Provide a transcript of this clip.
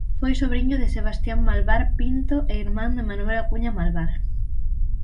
Foi sobriño de Sebastián Malvar Pinto e irmán de Manuel Acuña Malvar.